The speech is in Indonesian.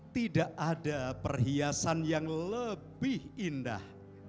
tidak ada perhiasan yang lebih indah